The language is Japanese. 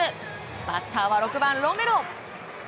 バッターは６番、ロメロ。